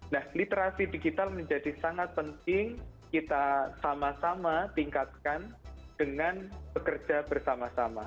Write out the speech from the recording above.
nah literasi digital menjadi sangat penting kita sama sama tingkatkan dengan bekerja bersama sama